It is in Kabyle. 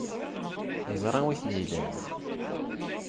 Yeẓra anwa ay ten-ilan.